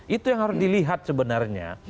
itu yang harus dilihat sebenarnya